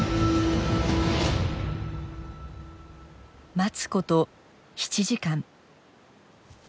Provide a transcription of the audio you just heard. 待つこと７時間。